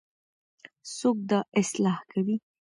څوک دا اصلاح کوي؟